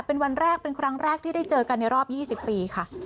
เป็นวันแรกเป็นครั้งแรกที่ได้เจอกันในรอบ๒๐ปีค่ะ